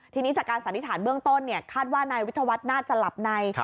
ทีนี้จากการสันนิษฐานเบื้องต้นคาดว่านายวิทยาวัฒน์น่าจะหลับใน